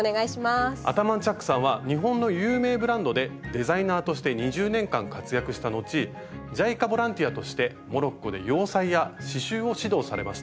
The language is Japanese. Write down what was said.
アタマンチャックさんは日本の有名ブランドでデザイナーとして２０年間活躍した後ＪＩＣＡボランティアとしてモロッコで洋裁や刺しゅうを指導されました。